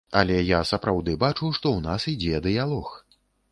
Але я сапраўды бачу, што ў нас ідзе дыялог.